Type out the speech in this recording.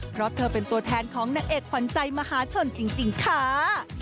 เพราะเธอเป็นตัวแทนของนางเอกขวัญใจมหาชนจริงค่ะ